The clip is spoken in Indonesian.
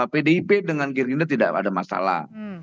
pdip dengan gerindra tidak ada masalah